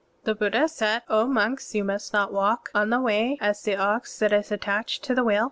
(40) The Buddha said: ".O monks, you must not walk on the Way as the ox that is attached to the wheel.